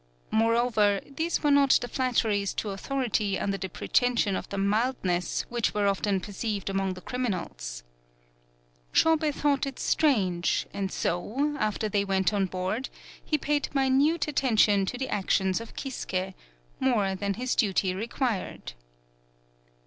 Moreover, these were not the flatteries to authority under the pretention of the mildness which were often perceived among the criminals. Shobei thought it strange, and so, after they went on board, he paid mi nute attention to the actions of Kisuke, more than his duty required.